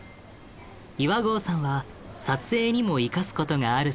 岩合さんは撮影にも生かすことがあるそうで。